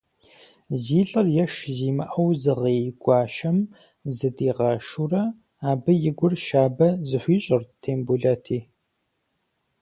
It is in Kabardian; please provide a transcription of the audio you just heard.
Зи лӏыр еш зимыӏэу зыгъей Гуащэм зыдигъэшурэ, абы и гур щабэ зыхуищӏырт Тембулэти.